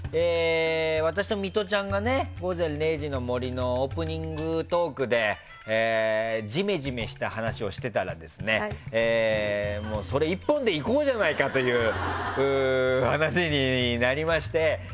私とミトちゃんが「午前０時の森」のオープニングトークでジメジメした話をしてたらそれ１本でいこうじゃないかという話になりまして。